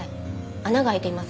穴が開いています。